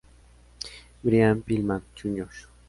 Brian Pillman Jr.